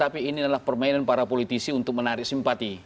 permainan para politisi untuk menarik simpati